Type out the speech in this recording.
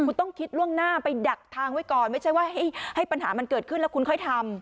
คุณต้องคิดล่วงหน้าไปดักทางไว้ก่อนไม่ใช่ว่าให้ปัญหามันเกิดขึ้นแล้วคุณค่อยทำ